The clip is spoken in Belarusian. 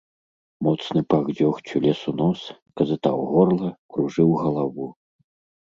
Моцны пах дзёгцю лез у нос, казытаў горла, кружыў галаву.